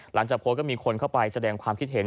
หลังจากโพสต์ก็มีคนเข้าไปแสดงความคิดเห็น